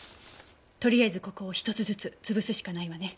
とりあえずここを１つずつつぶすしかないわね。